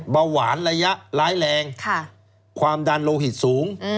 เบาหวานระยะร้ายแรงความดันโลหิตสูง